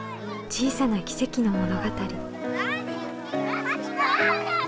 小さな奇跡の物語。